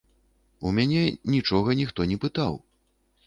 У мяне нічога ніхто не пытаў.